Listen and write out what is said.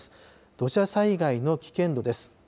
土砂災害の危険度です。